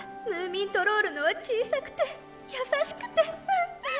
ムーミントロールのは小さくて優しくて。